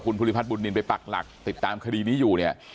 คุณพุทธิพัฒน์บุญดินไปปักหลักติดตามคาดีนี่อยู่นี่